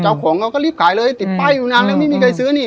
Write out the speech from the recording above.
เขาก็รีบขายเลยติดป้ายอยู่นานแล้วไม่มีใครซื้อนี่